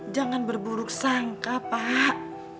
jangan berburuk sangka pak